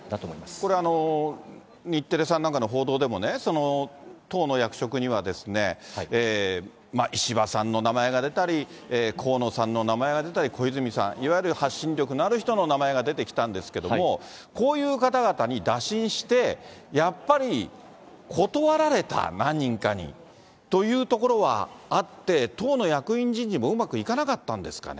これ、日テレさんなんかの報道でもね、党の役職には石破さんの名前が出たり、河野さんの名前が出たり、小泉さん、いわゆる発信力のある人の名前が出てきたんですけれども、こういう方々に打診して、やっぱり断られた、何人かに、というところはあって、党の役員人事もうまくいかなかったんですかね。